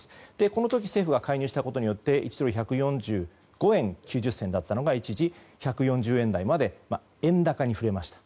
この時政府が介入したことによって１ドル＝１４５円９０銭だったのが一時１４０円台まで円高に振れました。